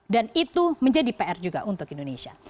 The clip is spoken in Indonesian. dan itu menjadi pr juga untuk indonesia